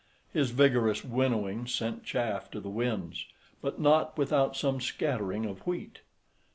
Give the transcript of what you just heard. His vigorous winnowing sent chaff to the winds, but not without some scattering of wheat.